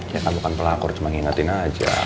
ya kan bukan pelakor cuma ngingetin aja